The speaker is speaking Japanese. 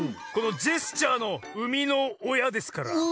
このジェスチャーのうみのおやですから！